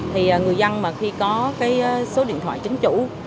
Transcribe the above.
thì người dân mà khi có cái số điện thoại chính chủ